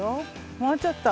もうちょっと。